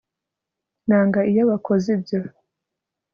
nanga iyo bakoze ibyo